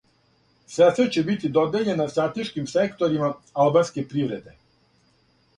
Средства ће бити додељена стратешким секторима албанске привреде.